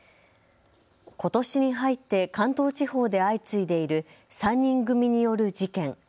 ことしに入って関東地方で相次いでいる３人組による事件。